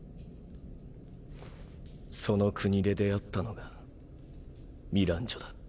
その国で出会ったのがミランジョだ。